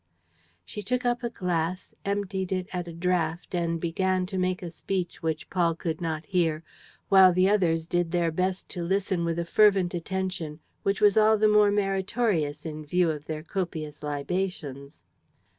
She took up a glass, emptied it at a draught and began to make a speech which Paul could not hear, while the others did their best to listen with a fervent attention which was all the more meritorious in view of their copious libations.